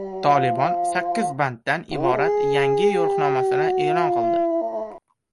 “Tolibon” sakkiz banddan iborat yangi yo‘riqnomasini e’lon qildi